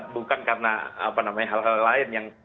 bukan karena apa namanya hal hal lain yang